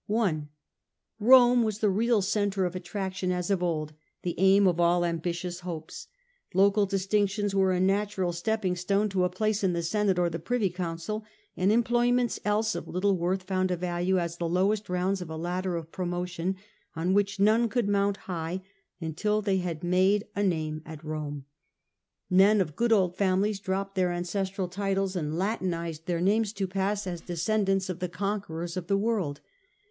(i) Rome was the real centre of attraction as of old, the aim of all ambitious hopes. Local distinc .•,., with few tions were a natural stepping stone to a guarantees place in the Senate or the Privy Council, and as employments else of little worth found a value illustrated as the lowest rounds of a ladder of promotion, on which none could mount ur.tihthey had made a 202 The Age of tJte Antonines. ch. ix name at Rome. Men of good old families dropped their ancestral titles and latinized their names to pass as descendants of the conquerors of the world.